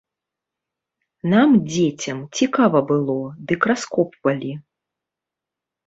Нам, дзецям, цікава было, дык раскопвалі.